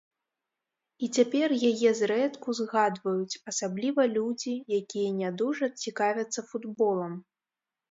І цяпер яе зрэдку згадваюць, асабліва людзі, якія не дужа цікавяцца футболам.